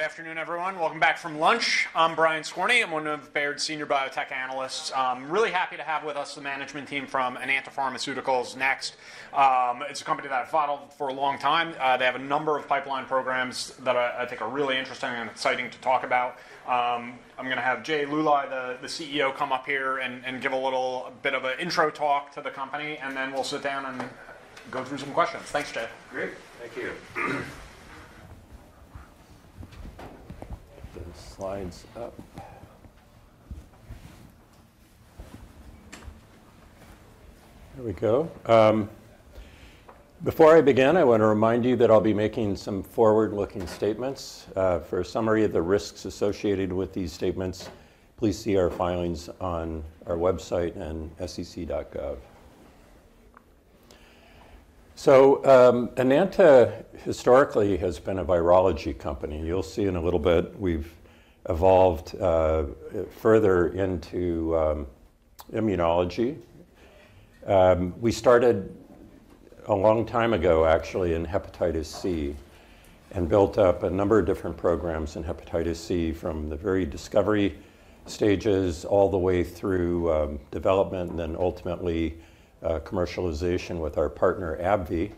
Good afternoon, everyone. Welcome back from lunch. I'm Brian Skorney. I'm one of Baird's senior biotech analysts. I'm really happy to have with us the management team from Enanta Pharmaceuticals next. It's a company that I've followed for a long time. They have a number of pipeline programs that I think are really interesting and exciting to talk about. I'm going to have Jay Luly, the CEO, come up here and give a little bit of an intro talk to the company, and then we'll sit down and go through some questions. Thanks, Jay. Great. Thank you. The slides up. Here we go. Before I begin, I want to remind you that I'll be making some forward-looking statements. For a summary of the risks associated with these statements, please see our filings on our website and sec.gov. So Enanta historically has been a virology company. You'll see in a little bit we've evolved further into immunology. We started a long time ago, actually, in hepatitis C and built up a number of different programs in hepatitis C from the very discovery stages all the way through development, and then ultimately commercialization with our partner AbbVie.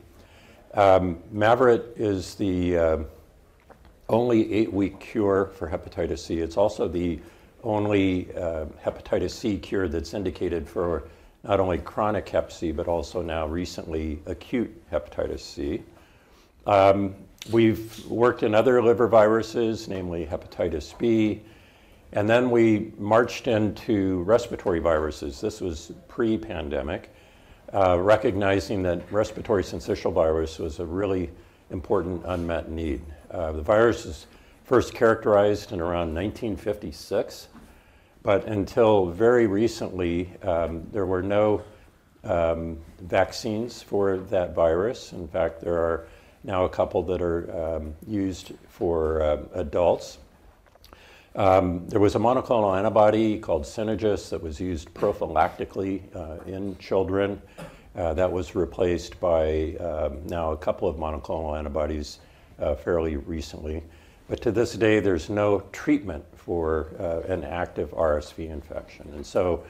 Mavyret is the only eight-week cure for hepatitis C. It's also the only hepatitis C cure that's indicated for not only chronic hep C, but also now recently acute hepatitis C. We've worked in other liver viruses, namely hepatitis B, and then we marched into respiratory viruses. This was pre-pandemic, recognizing that Respiratory Syncytial Virus was a really important unmet need. The virus was first characterized in around 1956, but until very recently, there were no vaccines for that virus. In fact, there are now a couple that are used for adults. There was a monoclonal antibody called Synagis that was used prophylactically in children. That was replaced by now a couple of monoclonal antibodies fairly recently. But to this day, there's no treatment for an active RSV infection. And so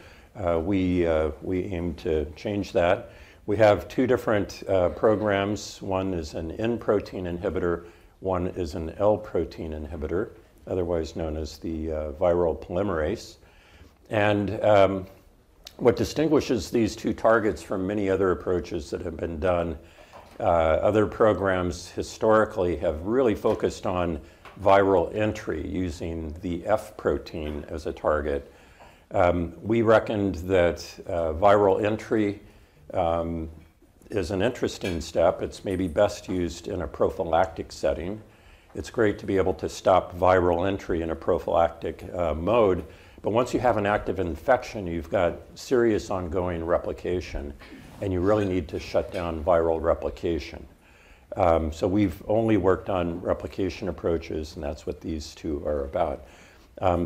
we aim to change that. We have two different programs. One is an N-protein inhibitor. One is an L-protein inhibitor, otherwise known as the viral polymerase. And what distinguishes these two targets from many other approaches that have been done, other programs historically have really focused on viral entry using the F protein as a target. We reckoned that viral entry is an interesting step. It's maybe best used in a prophylactic setting. It's great to be able to stop viral entry in a prophylactic mode, but once you have an active infection, you've got serious ongoing replication, and you really need to shut down viral replication. So we've only worked on replication approaches, and that's what these two are about.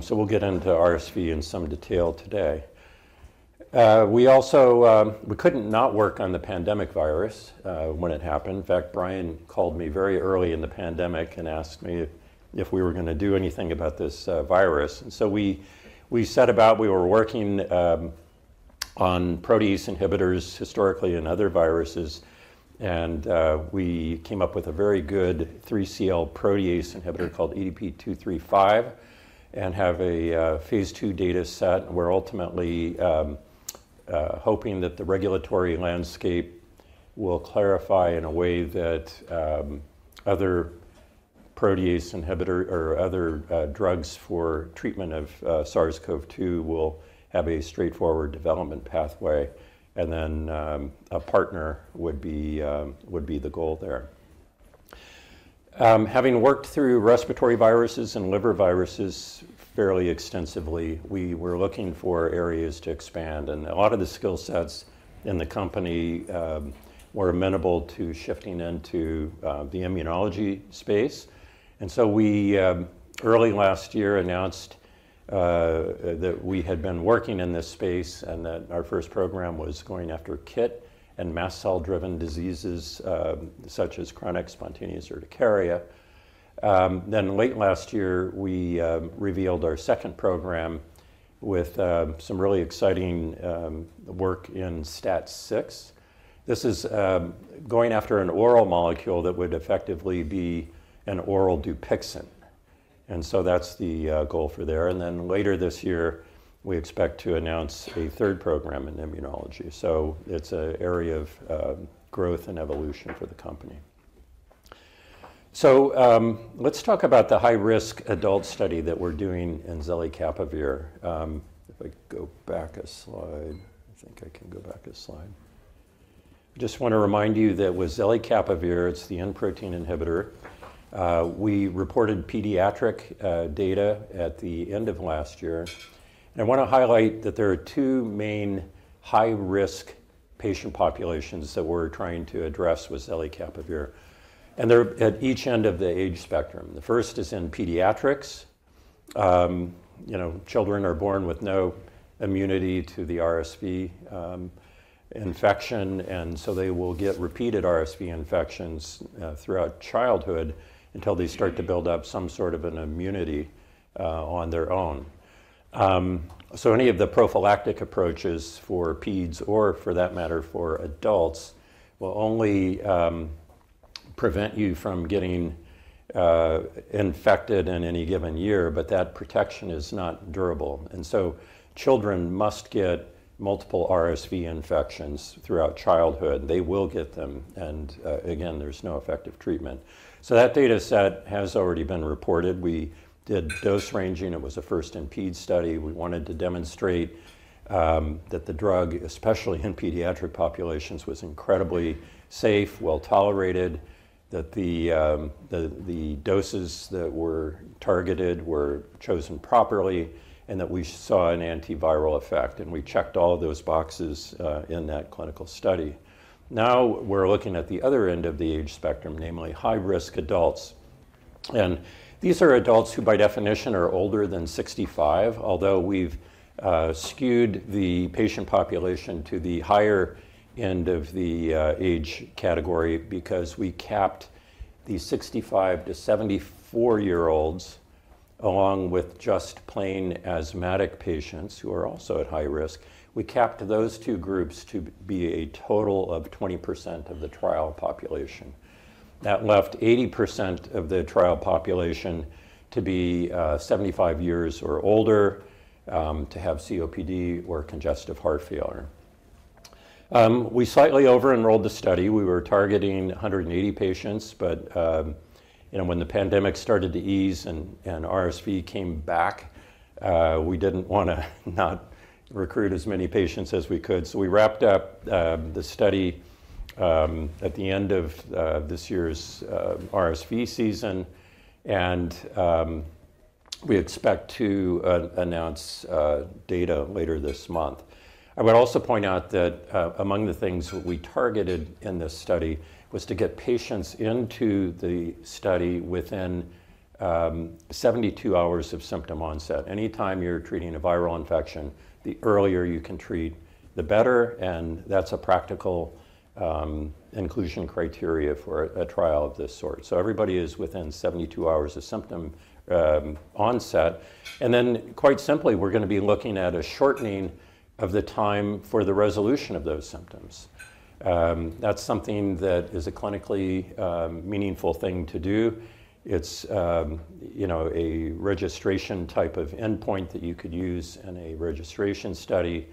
So we'll get into RSV in some detail today. We couldn't not work on the pandemic virus when it happened. In fact, Brian called me very early in the pandemic and asked me if we were going to do anything about this virus, and so we set about. We were working on protease inhibitors historically in other viruses, and we came up with a very good 3CL protease inhibitor called EDP-235 and have a phase two data set. We're ultimately hoping that the regulatory landscape will clarify in a way that other protease inhibitor or other drugs for treatment of SARS-CoV-2 will have a straightforward development pathway, and then a partner would be the goal there. Having worked through respiratory viruses and liver viruses fairly extensively, we were looking for areas to expand. A lot of the skill sets in the company were amenable to shifting into the immunology space. We early last year announced that we had been working in this space and that our first program was going after kit and mast cell-driven diseases such as chronic spontaneous urticaria. Late last year, we revealed our second program with some really exciting work in STAT6. This is going after an oral molecule that would effectively be an oral Dupixent. That's the goal for there. Then later this year, we expect to announce a third program in immunology. It's an area of growth and evolution for the company. Let's talk about the high-risk adult study that we're doing in Zelicapavir. If I go back a slide, I think I can go back a slide. I just want to remind you that with Zelicapavir, it's the N-protein inhibitor. We reported pediatric data at the end of last year. I want to highlight that there are two main high-risk patient populations that we're trying to address with Zelicapavir, and they're at each end of the age spectrum. The first is in pediatrics. Children are born with no immunity to the RSV infection, and so they will get repeated RSV infections throughout childhood until they start to build up some sort of an immunity on their own. So any of the prophylactic approaches for peds or for that matter for adults will only prevent you from getting infected in any given year, but that protection is not durable. And so children must get multiple RSV infections throughout childhood. They will get them, and again, there's no effective treatment. So that data set has already been reported. We did dose ranging. It was a first in ped study. We wanted to demonstrate that the drug, especially in pediatric populations, was incredibly safe, well tolerated, that the doses that were targeted were chosen properly, and that we saw an antiviral effect. And we checked all of those boxes in that clinical study. Now we're looking at the other end of the age spectrum, namely high-risk adults. These are adults who by definition are older than 65, although we've skewed the patient population to the higher end of the age category because we capped the 65 to 74-year-olds along with just plain asthmatic patients who are also at high risk. We capped those two groups to be a total of 20% of the trial population. That left 80% of the trial population to be 75 years or older to have COPD or congestive heart failure. We slightly over-enrolled the study. We were targeting 180 patients, but when the pandemic started to ease and RSV came back, we didn't want to not recruit as many patients as we could. So we wrapped up the study at the end of this year's RSV season, and we expect to announce data later this month. I would also point out that among the things we targeted in this study was to get patients into the study within 72 hours of symptom onset. Anytime you're treating a viral infection, the earlier you can treat, the better, and that's a practical inclusion criteria for a trial of this sort. So everybody is within 72 hours of symptom onset. And then quite simply, we're going to be looking at a shortening of the time for the resolution of those symptoms. That's something that is a clinically meaningful thing to do. It's a registration type of endpoint that you could use in a registration study.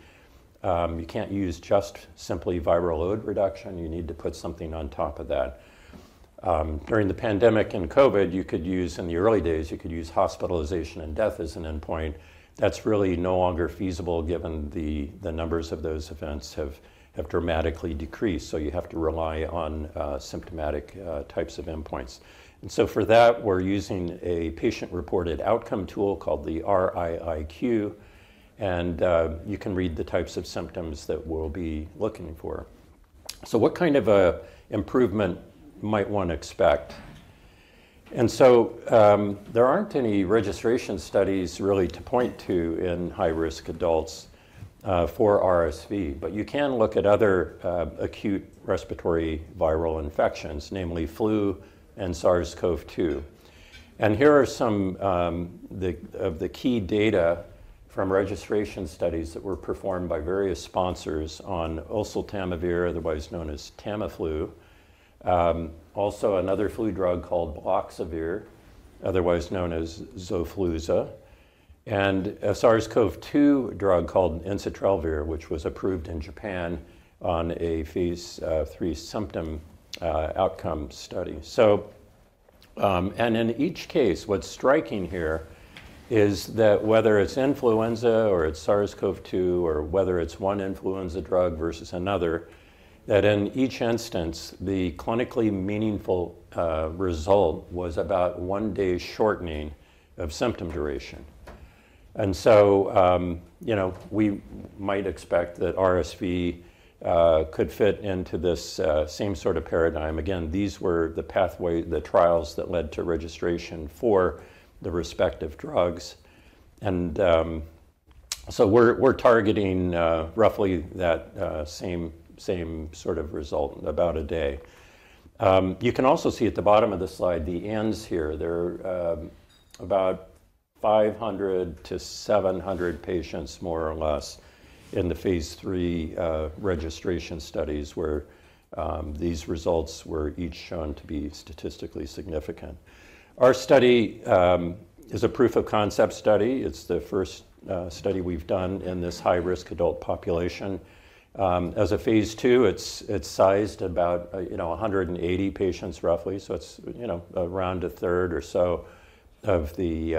You can't use just simply viral load reduction. You need to put something on top of that. During the pandemic and COVID, you could use in the early days, you could use hospitalization and death as an endpoint. That's really no longer feasible given the numbers of those events have dramatically decreased, so you have to rely on symptomatic types of endpoints, and so for that, we're using a patient-reported outcome tool called the RIIQ, and you can read the types of symptoms that we'll be looking for. So what kind of an improvement might one expect? And so there aren't any registration studies really to point to in high-risk adults for RSV, but you can look at other acute respiratory viral infections, namely flu and SARS-CoV-2, and here are some of the key data from registration studies that were performed by various sponsors on oseltamivir, otherwise known as Tamiflu, also another flu drug called baloxavir, otherwise known as Xofluza, and a SARS-CoV-2 drug called ensitrelvir, which was approved in Japan on a phase 3 symptom outcome study. And in each case, what's striking here is that whether it's influenza or it's SARS-CoV-2 or whether it's one influenza drug versus another, that in each instance, the clinically meaningful result was about one day shortening of symptom duration. And so we might expect that RSV could fit into this same sort of paradigm. Again, these were the trials that led to registration for the respective drugs. And so we're targeting roughly that same sort of result, about a day. You can also see at the bottom of the slide the N's here. There are about 500 to 700 patients, more or less, in the phase three registration studies where these results were each shown to be statistically significant. Our study is a proof of concept study. It's the first study we've done in this high-risk adult population. As a phase two, it's sized about 180 patients, roughly. So it's around a third or so of the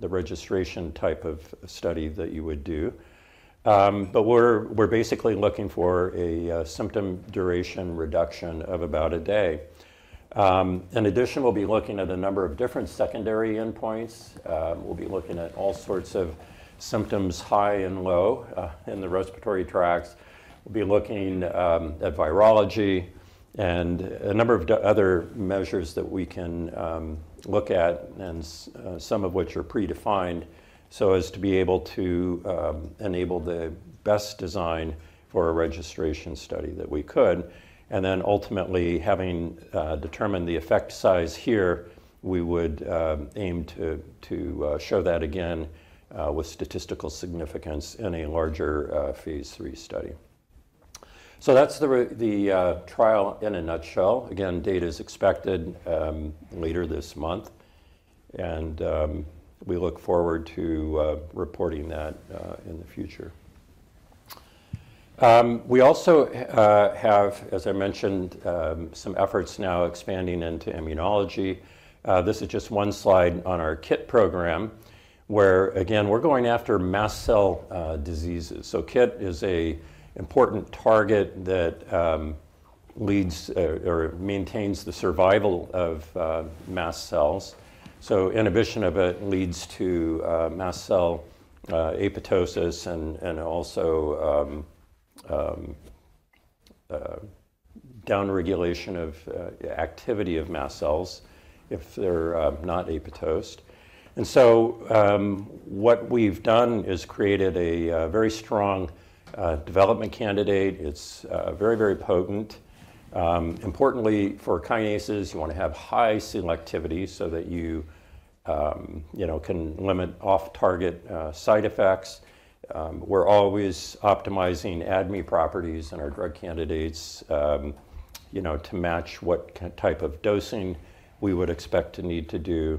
registration type of study that you would do. But we're basically looking for a symptom duration reduction of about a day. In addition, we'll be looking at a number of different secondary endpoints. We'll be looking at all sorts of symptoms high and low in the respiratory tracts. We'll be looking at virology and a number of other measures that we can look at, and some of which are predefined, so as to be able to enable the best design for a registration study that we could. And then ultimately, having determined the effect size here, we would aim to show that again with statistical significance in a larger phase three study. So that's the trial in a nutshell. Again, data is expected later this month, and we look forward to reporting that in the future. We also have, as I mentioned, some efforts now expanding into immunology. This is just one slide on our KIT program where, again, we're going after mast cell diseases. So KIT is an important target that leads or maintains the survival of mast cells. So inhibition of it leads to mast cell apoptosis and also downregulation of activity of mast cells if they're not apoptosed. And so what we've done is created a very strong development candidate. It's very, very potent. Importantly, for kinases, you want to have high selectivity so that you can limit off-target side effects. We're always optimizing ADME properties in our drug candidates to match what type of dosing we would expect to need to do.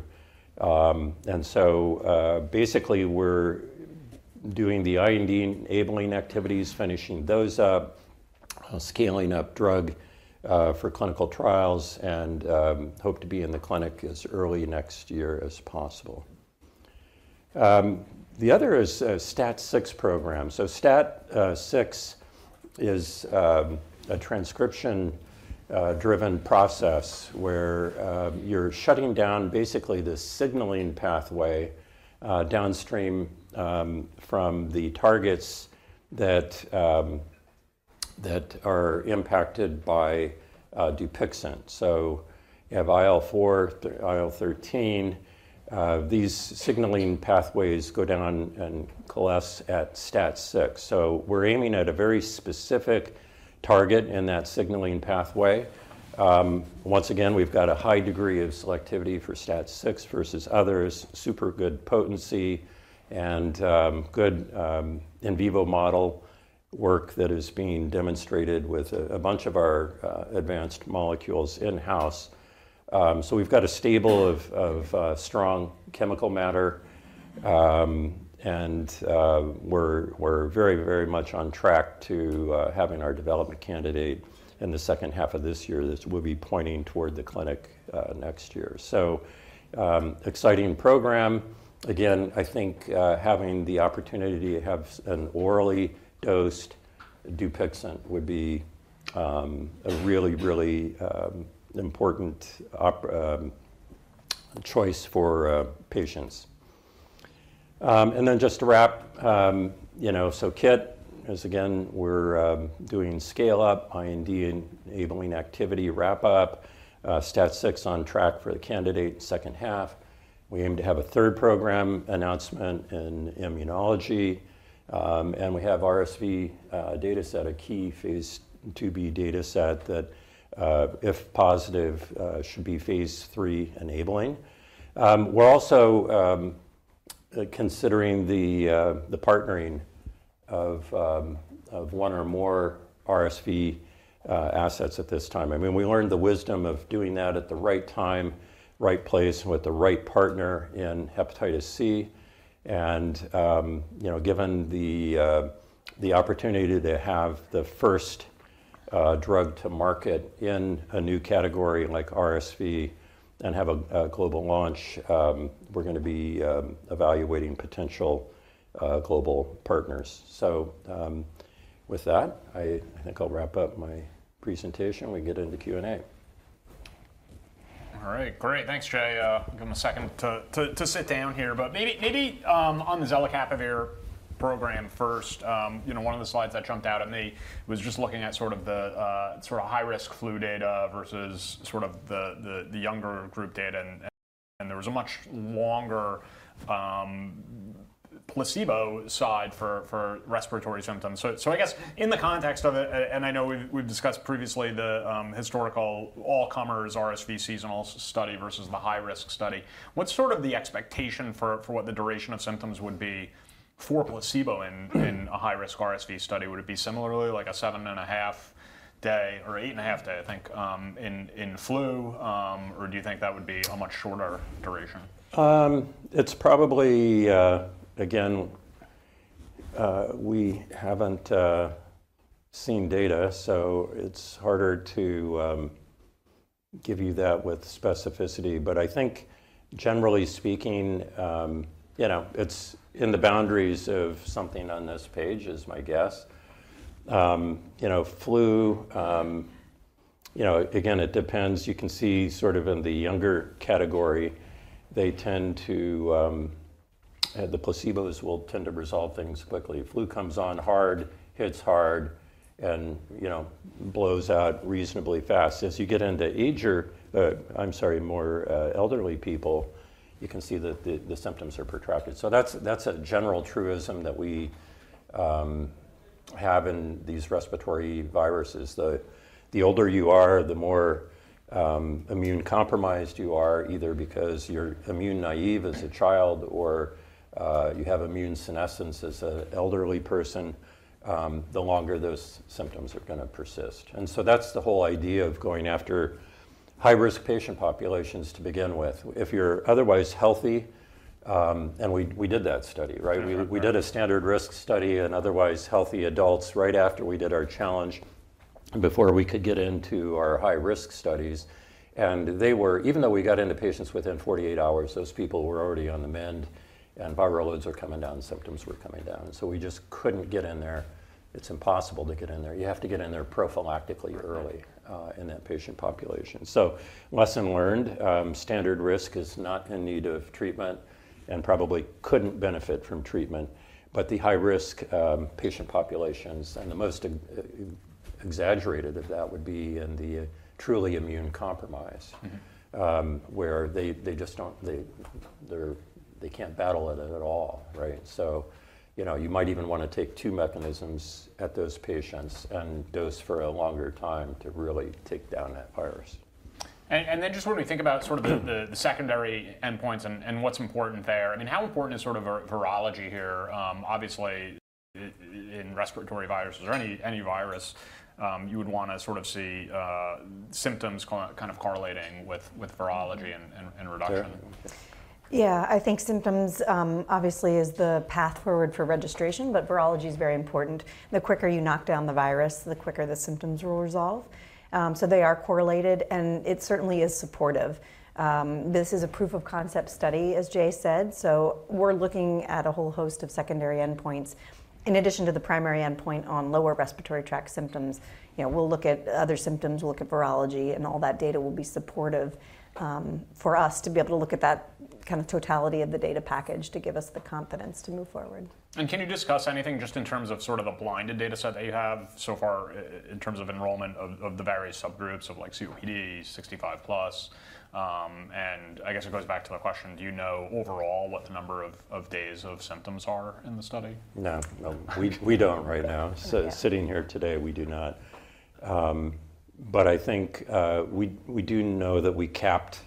And so basically, we're doing the IND enabling activities, finishing those up, scaling up drug for clinical trials, and hope to be in the clinic as early next year as possible. The other is STAT6 program. So STAT6 is a transcription-driven process where you're shutting down basically the signaling pathway downstream from the targets that are impacted by Dupixent. So you have IL-4, IL-13. These signaling pathways go down and coalesce at STAT6. So we're aiming at a very specific target in that signaling pathway. Once again, we've got a high degree of selectivity for STAT6 versus others, super good potency and good in vivo model work that is being demonstrated with a bunch of our advanced molecules in-house. We've got a stable of strong chemical matter, and we're very, very much on track to having our development candidate in the second half of this year that we'll be pointing toward the clinic next year. So exciting program. Again, I think having the opportunity to have an orally dosed Dupixent would be a really, really important choice for patients. And then just to wrap, so KIT is, again, we're doing scale-up IND enabling activity wrap-up, STAT6 on track for the candidate second half. We aim to have a third program announcement in immunology, and we have RSV data set, a key phase 2b data set that, if positive, should be phase 3 enabling. We're also considering the partnering of one or more RSV assets at this time. I mean, we learned the wisdom of doing that at the right time, right place, with the right partner in Hepatitis C. And given the opportunity to have the first drug to market in a new category like RSV and have a global launch, we're going to be evaluating potential global partners. So with that, I think I'll wrap up my presentation. We get into Q&A. All right. Great. Thanks, Jay. Give him a second to sit down here. But maybe on the Zelicapavir program first, one of the slides that jumped out at me was just looking at sort of the high-risk flu data versus sort of the younger group data, and there was a much longer placebo side for respiratory symptoms. So I guess in the context of it, and I know we've discussed previously the historical all-comers RSV seasonal study versus the high-risk study, what's sort of the expectation for what the duration of symptoms would be for placebo in a high-risk RSV study? Would it be similarly like a seven and a half day or eight and a half day, I think, in flu, or do you think that would be a much shorter duration? It's probably, again, we haven't seen data, so it's harder to give you that with specificity. But I think generally speaking, it's in the boundaries of something on this page, is my guess. Flu, again, it depends. You can see sort of in the younger category, they tend to, the placebos will tend to resolve things quickly. Flu comes on hard, hits hard, and blows out reasonably fast. As you get into age, I'm sorry, more elderly people, you can see that the symptoms are protracted. So that's a general truism that we have in these respiratory viruses. The older you are, the more immune compromised you are, either because you're immune naive as a child or you have immune senescence as an elderly person, the longer those symptoms are going to persist. And so that's the whole idea of going after high-risk patient populations to begin with. If you're otherwise healthy, and we did that study, right? We did a standard risk study in otherwise healthy adults right after we did our challenge before we could get into our high-risk studies. And even though we got into patients within 48 hours, those people were already on the mend, and viral loads were coming down, symptoms were coming down. So we just couldn't get in there. It's impossible to get in there. You have to get in there prophylactically early in that patient population. So lesson learned, standard risk is not in need of treatment and probably couldn't benefit from treatment. But the high-risk patient populations, and the most exaggerated of that would be in the truly immunocompromised where they can't battle it at all, right? So you might even want to take two mechanisms at those patients and dose for a longer time to really take down that virus. And then just when we think about sort of the secondary endpoints and what's important there, I mean, how important is sort of virology here, obviously, in respiratory viruses or any virus you would want to sort of see symptoms kind of correlating with virology and reduction? Yeah. I think symptoms, obviously, is the path forward for registration, but virology is very important. The quicker you knock down the virus, the quicker the symptoms will resolve. So they are correlated, and it certainly is supportive. This is a proof of concept study, as Jay said. So we're looking at a whole host of secondary endpoints in addition to the primary endpoint on lower respiratory tract symptoms. We'll look at other symptoms, we'll look at virology, and all that data will be supportive for us to be able to look at that kind of totality of the data package to give us the confidence to move forward. Can you discuss anything just in terms of sort of a blinded data set that you have so far in terms of enrollment of the various subgroups of like COPD, 65 plus, and I guess it goes back to the question, do you know overall what the number of days of symptoms are in the study? No. We don't right now. Sitting here today, we do not. But I think we do know that we capped,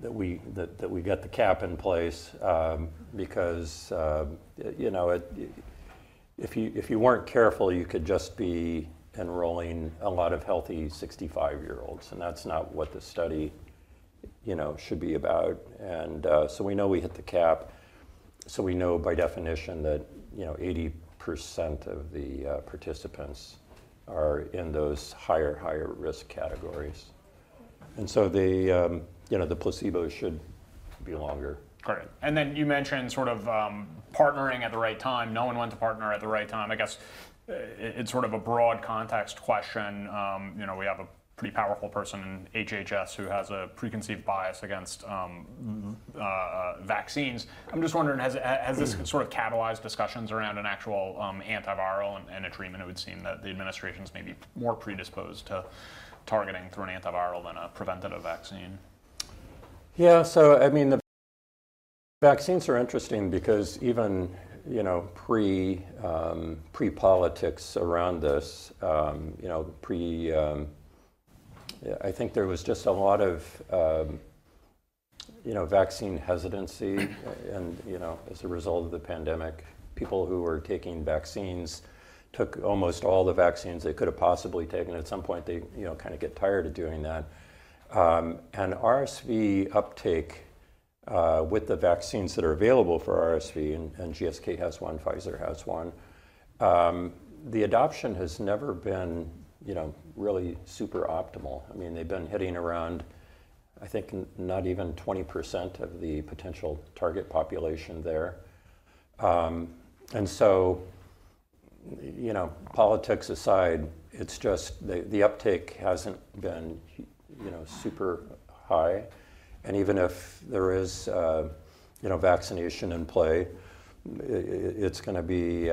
that we got the cap in place because if you weren't careful, you could just be enrolling a lot of healthy 65-year-olds, and that's not what the study should be about, and so we know we hit the cap, so we know by definition that 80% of the participants are in those higher, higher risk categories, and so the placebo should be longer. Great. And then you mentioned sort of partnering at the right time. No one went to partner at the right time. I guess it's sort of a broad context question. We have a pretty powerful person in HHS who has a preconceived bias against vaccines. I'm just wondering, has this sort of catalyzed discussions around an actual antiviral and a treatment? It would seem that the administration is maybe more predisposed to targeting through an antiviral than a preventative vaccine. Yeah, so I mean, the vaccines are interesting because even pre-politics around this, pre, I think there was just a lot of vaccine hesitancy as a result of the pandemic. People who were taking vaccines took almost all the vaccines they could have possibly taken. At some point, they kind of get tired of doing that, and RSV uptake with the vaccines that are available for RSV, and GSK has one, Pfizer has one, the adoption has never been really super optimal. I mean, they've been hitting around, I think, not even 20% of the potential target population there, and so politics aside, it's just the uptake hasn't been super high. Even if there is vaccination in play, it's going to be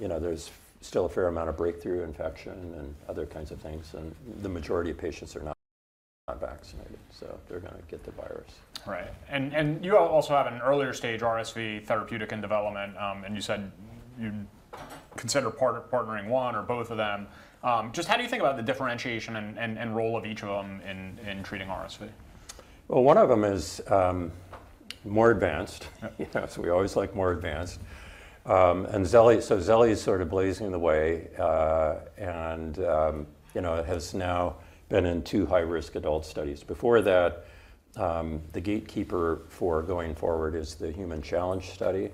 there's still a fair amount of breakthrough infection and other kinds of things, and the majority of patients are not vaccinated, so they're going to get the virus. Right, and you also have an earlier stage RSV therapeutic in development, and you said you consider partnering one or both of them. Just how do you think about the differentiation and role of each of them in treating RSV? Well, one of them is more advanced. So we always like more advanced. And so Zelli is sort of blazing the way and has now been in two high-risk adult studies. Before that, the gatekeeper for going forward is the human challenge study.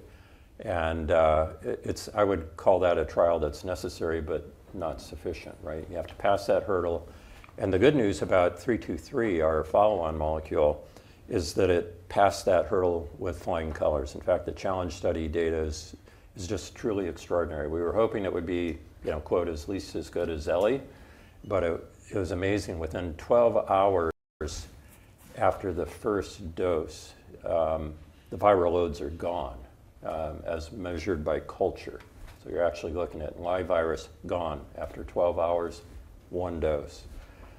And I would call that a trial that's necessary but not sufficient, right? You have to pass that hurdle. And the good news about 323, our follow-on molecule, is that it passed that hurdle with flying colors. In fact, the challenge study data is just truly extraordinary. We were hoping it would be, quote, at least as good as Zelli, but it was amazing. Within 12 hours after the first dose, the viral loads are gone as measured by culture. So you're actually looking at live virus gone after 12 hours, one dose.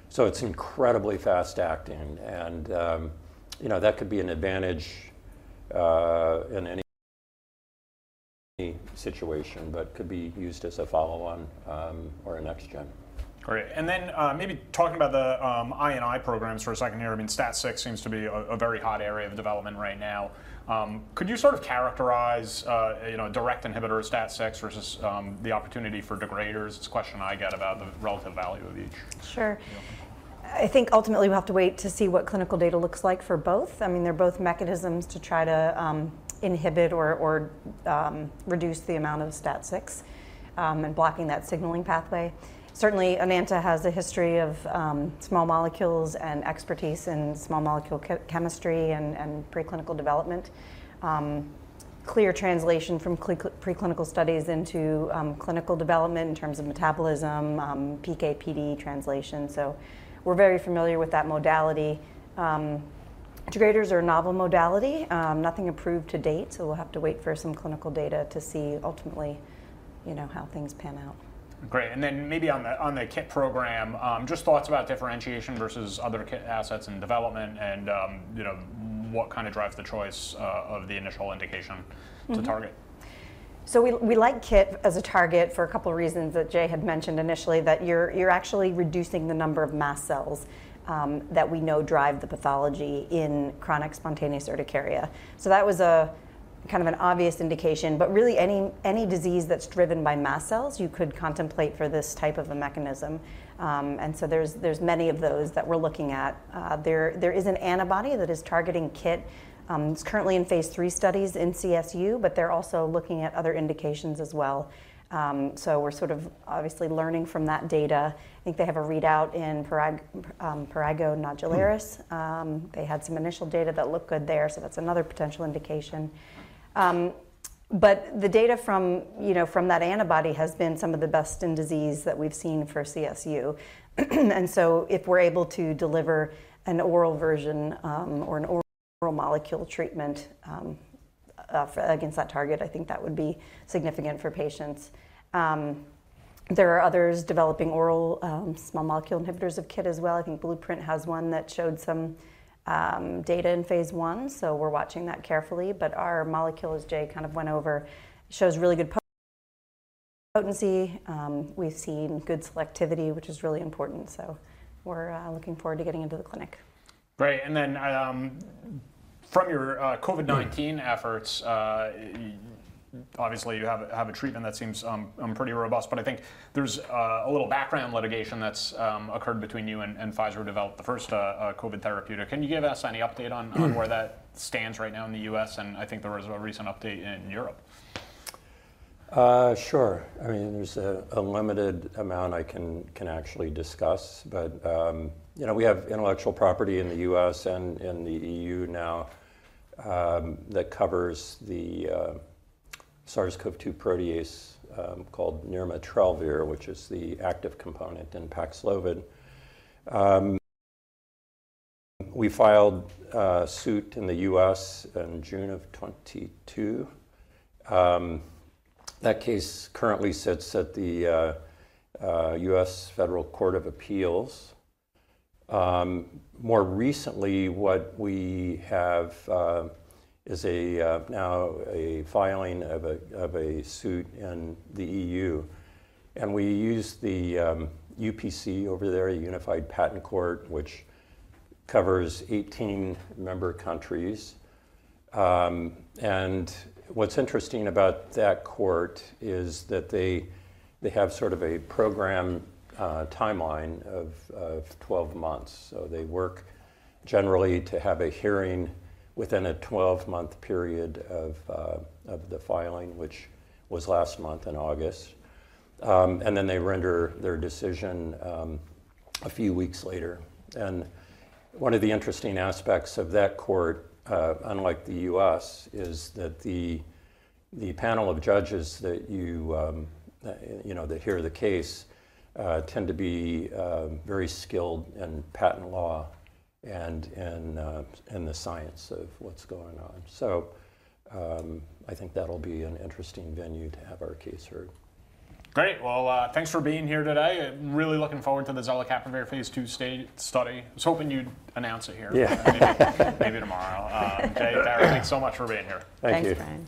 So it's incredibly fast acting, and that could be an advantage in any situation, but could be used as a follow-on or a next gen. Great. And then maybe talking about the INI programs for a second here. I mean, STAT6 seems to be a very hot area of development right now. Could you sort of characterize direct inhibitor STAT6 versus the opportunity for degraders? It's a question I get about the relative value of each. Sure. I think ultimately we'll have to wait to see what clinical data looks like for both. I mean, they're both mechanisms to try to inhibit or reduce the amount of STAT6 and blocking that signaling pathway. Certainly, Enanta has a history of small molecules and expertise in small molecule chemistry and preclinical development. Clear translation from preclinical studies into clinical development in terms of metabolism, PK/PD translation. So we're very familiar with that modality. Degraders are a novel modality, nothing approved to date, so we'll have to wait for some clinical data to see ultimately how things pan out. Great. And then maybe on the KIT program, just thoughts about differentiation versus other KIT assets in development and what kind of drives the choice of the initial indication to target? So we like KIT as a target for a couple of reasons that Jay had mentioned initially, that you're actually reducing the number of mast cells that we know drive the pathology in chronic spontaneous urticaria. So that was kind of an obvious indication, but really any disease that's driven by mast cells, you could contemplate for this type of a mechanism. And so there's many of those that we're looking at. There is an antibody that is targeting KIT. It's currently in phase three studies in CSU, but they're also looking at other indications as well. So we're sort of obviously learning from that data. I think they have a readout in prurigo nodularis. They had some initial data that looked good there, so that's another potential indication. But the data from that antibody has been some of the best in disease that we've seen for CSU. And so if we're able to deliver an oral version or an oral molecule treatment against that target, I think that would be significant for patients. There are others developing oral small molecule inhibitors of kit as well. I think Blueprint has one that showed some data in phase one, so we're watching that carefully. But our molecule, as Jay kind of went over, shows really good potency. We've seen good selectivity, which is really important. So we're looking forward to getting into the clinic. Great. And then from your COVID-19 efforts, obviously you have a treatment that seems pretty robust, but I think there's a little background litigation that's occurred between you and Pfizer to develop the first COVID therapeutic. Can you give us any update on where that stands right now in the U.S.? And I think there was a recent update in Europe. Sure. I mean, there's a limited amount I can actually discuss, but we have intellectual property in the U.S. and in the EU now that covers the SARS-CoV-2 protease called nirmatrelvir, which is the active component in Paxlovid. We filed suit in the U.S. in June of 2022. That case currently sits at the U.S. Court of Appeals for the Federal Circuit. More recently, what we have is now a filing of a suit in the EU. And we use the UPC over there, a Unified Patent Court, which covers 18 member countries. And what's interesting about that court is that they have sort of a program timeline of 12 months. So they work generally to have a hearing within a 12-month period of the filing, which was last month in August. And then they render their decision a few weeks later. One of the interesting aspects of that court, unlike the U.S., is that the panel of judges that hear the case tend to be very skilled in patent law and in the science of what's going on. So I think that'll be an interesting venue to have our case heard. Great. Well, thanks for being here today. I'm really looking forward to the Zelicapavir phase two study. I was hoping you'd announce it here. Maybe tomorrow. Jay, thank you so much for being here. Thank you.